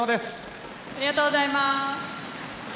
ありがとうございます。